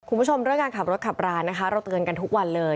คุณผู้ชมเรื่องการขับรถขับรานะคะเราเตือนกันทุกวันเลย